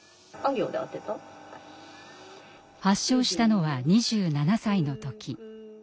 発症したのは２７歳の時。